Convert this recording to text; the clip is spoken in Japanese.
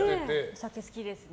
お酒好きですね。